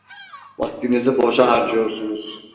Vaktinizi boşa harcıyorsunuz.